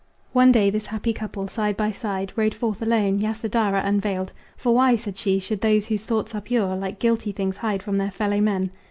One day this happy couple, side by side, Rode forth alone, Yasodhara unveiled "For why," said she, "should those whose thoughts are pure Like guilty things hide from their fellow men?"